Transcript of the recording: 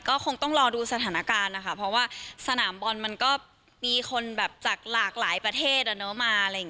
ก็คงต้องรอดูสถานการณ์นะคะเพราะว่าสนามบอลมันก็มีคนแบบจากหลากหลายประเทศมาอะไรอย่างนี้